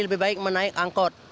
lebih baik menaik angkot